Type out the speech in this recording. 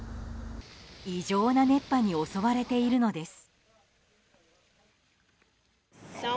異常な熱波に襲われているのです。